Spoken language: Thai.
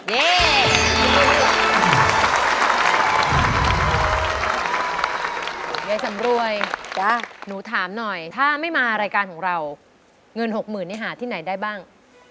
ยายสำรวยจ้ะหนูถามหน่อยถ้าไม่มารายการของเราเงิน๖๐๐๐นี่หาที่ไหนได้บ้าง